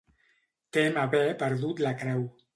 Tem haver perdut la creu.